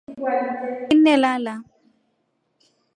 Nginnelala.